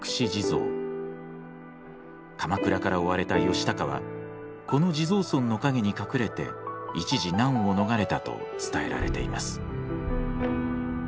鎌倉から追われた義高はこの地蔵尊の陰に隠れて一時難を逃れたと伝えられています。